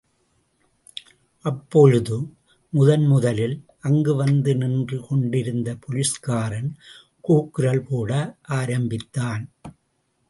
அப்பொழுது முதன் முதலில் அங்கு வந்து நின்று கொண்டிருந்த போலீஸ்காரன் கூக்குரல் போட ஆரம்பித்தான்.